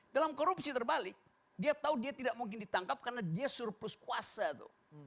dalam korupsi terbalik dia tahu dia tidak mungkin ditangkap karena dia surplus kuasa tuh